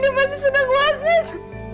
dia masih seneng banget